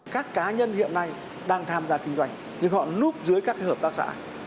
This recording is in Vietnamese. các cá nhân hiện nay đang tham gia kinh doanh nhưng họ núp dưới các hợp tác xã